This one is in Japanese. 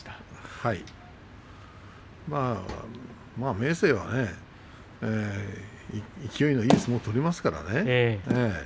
明生は勢いのいい相撲を取りますからね。